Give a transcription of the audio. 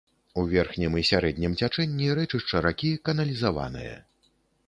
У верхнім і сярэднім цячэнні рэчышча ракі каналізаванае.